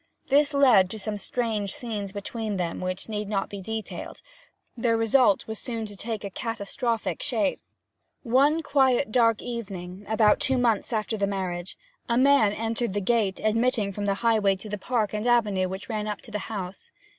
This led to some strange scenes between them which need not be detailed; their result was soon to take a catastrophic shape. One dark quiet evening, about two months after the marriage, a man entered the gate admitting from the highway to the park and avenue which ran up to the house.